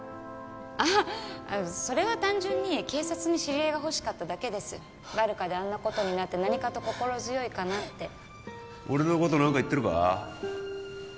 ああそれは単純に警察に知り合いが欲しかっただけですバルカであんなことになって何かと心強いかなって俺のこと何か言ってるか？